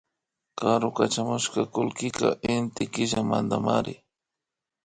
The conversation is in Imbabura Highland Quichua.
Karu kachamushka kullkika Inti killamantamari